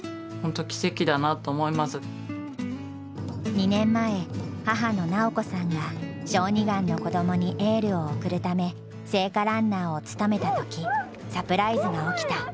２年前母の由子さんが小児がんの子供にエールを送るため聖火ランナーを務めた時サプライズが起きた。